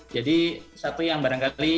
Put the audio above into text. jadi satu yang barangkali